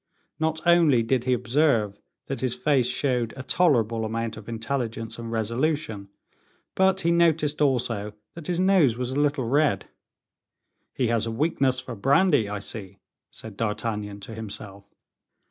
Not only did he observe that his face showed a tolerable amount of intelligence and resolution, but he noticed also that his nose was a little red. "He has a weakness for brandy, I see," said D'Artagnan to himself.